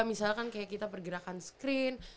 misalkan kayak kita pergerakan screen